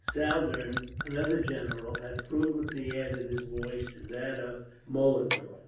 Saldern, another general, had fruitlessly added his voice to that of Mollendorf.